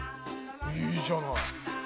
いいじゃない！